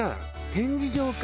展示場か。